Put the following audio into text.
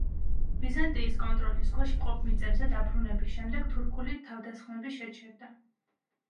ბიზანტიის კონტროლის ქვეშ მყოფ მიწებზე დაბრუნების შემდეგ თურქული თავდასხმები შეჩერდა.